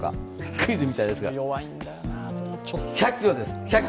クイズみたいですが、１００ｋｇです。